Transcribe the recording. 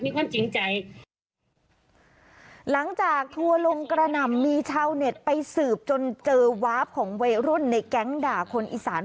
มีชาวเน็ตไปสืบจนเจอวาฟของใบรุ่นในแก๊งด่าคนอีสาน